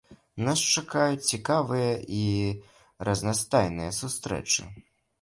Нас чакаюць цікавыя і разнастайныя сустрэчы.